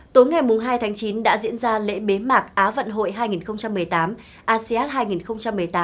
tối ngày hai tháng chín đã diễn ra lễ bế mạc á vận hội hai nghìn một mươi tám asean hai nghìn một mươi tám